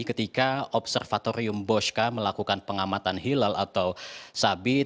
ketika observatorium bosca melakukan pengamatan hilal atau sabit